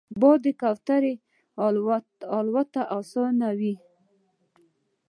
باد د کوترې الوت اسانوي